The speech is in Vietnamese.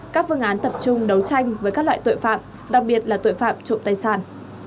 các phương án tập trung đấu tranh với các loại tội phạm đặc biệt là tội phạm trộm tài sản